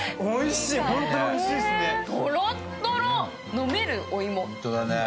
飲めるお芋。